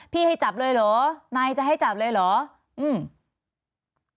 ให้จับเลยเหรอนายจะให้จับเลยเหรออืม